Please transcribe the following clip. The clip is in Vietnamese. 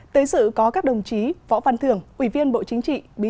tới sự có các đồng chí võ văn thưởng ủy viên bộ chính trị